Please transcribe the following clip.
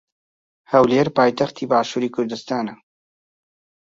ھەولێر پایتەختی باشووری کوردستانە.